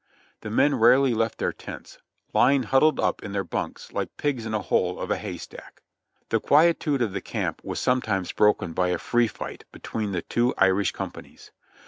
The men rarely left their tents ; lying huddled up in their bunks like pigs in a hole of a hay stack. The quietude of the camp was sometimes broken by a "free fight" between the two Irish companies.